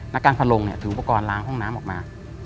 นักการพะลงถืออุปกรณ์ล้างห้องน้ำออกมา